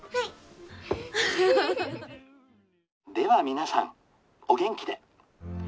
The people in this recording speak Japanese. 皆さんお元気で」。